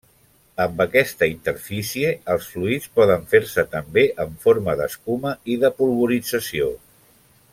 Amb aquesta interfície, els fluids poden fer-se també en forma d'escuma i de polvorització.